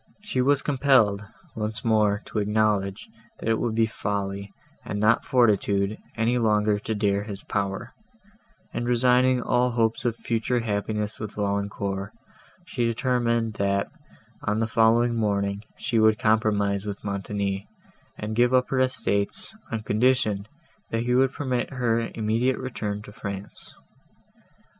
She was compelled, once more, to acknowledge, that it would be folly, and not fortitude, any longer to dare his power; and, resigning all hopes of future happiness with Valancourt, she determined, that, on the following morning, she would compromise with Montoni, and give up her estates, on condition, that he would permit her immediate return to France.